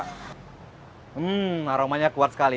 hmm aromanya kuat sekali